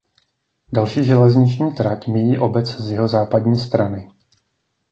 Další železniční trať míjí obec z jihozápadní strany.